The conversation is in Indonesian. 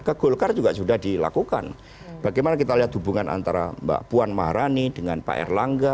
ke golkar juga sudah dilakukan bagaimana kita lihat hubungan antara mbak puan maharani dengan pak erlangga